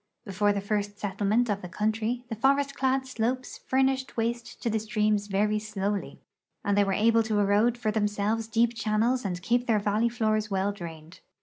Before the first settlement of the country" the forest clad slopes furnished waste to the streams verv slowly and they were able to erode for themselves deep channels and keep their valley floors well drained.